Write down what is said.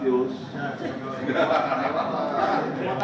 terima kasih pak